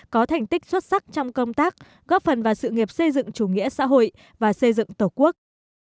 có thành tích xuất sắc trong công tác góp phần vào sự nghiệp xây dựng chủ nghĩa xã hội và xây dựng tổ quốc